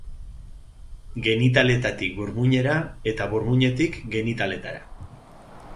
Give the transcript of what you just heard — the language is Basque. Genitaletatik burmuinera eta burmuinetik genitaletara.